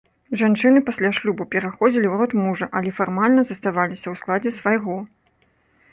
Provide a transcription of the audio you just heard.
Жанчыны пасля шлюбу пераходзілі ў род мужа, але фармальна заставаліся ў складзе свайго.